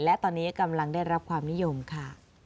และตอนนี้กำลังได้รับความนิยมค่ะ